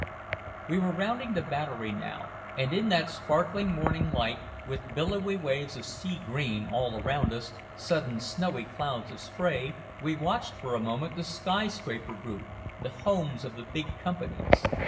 We were rounding the Battery now. And in that sparkling morning light, with billowy waves of sea green all around us, sudden snowy clouds of spray, we watched for a moment the skyscraper group, the homes of the Big Companies.